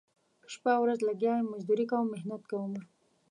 شپه ورځ لګیا یم مزدوري کوم محنت کومه